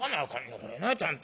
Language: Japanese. これなちゃんと。